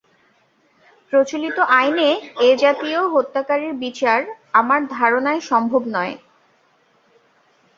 প্রচলিত আইনে এ-জাতীয় হত্যাকারীর বিচার আমার ধারণায় সম্ভব নয়।